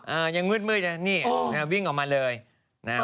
ยังมืดมืดนะนี่นะฮะวิ่งออกมาเลยนะฮะ